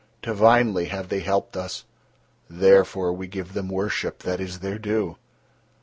Divinely have they helped us, therefore we give them worship that is their due."